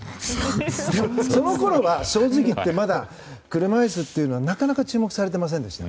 そのころは、正直いってまだ車いすというのはなかなか注目されてませんでした。